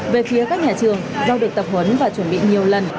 về phía các nhà trường do được tập huấn và chuẩn bị nhiều lần